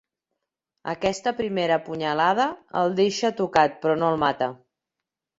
Aquesta primera punyalada el deixa tocat, però no el mata.